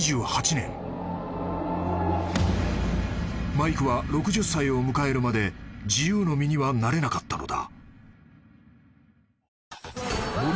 ［マイクは６０歳を迎えるまで自由の身にはなれなかったのだ］